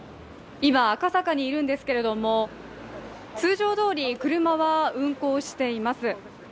今、赤坂にいるんですけれども通常どおり車は運行しています。